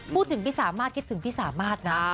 พี่สามารถคิดถึงพี่สามารถนะ